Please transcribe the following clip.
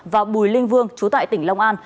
và bùi linh vương chú tại tỉnh long an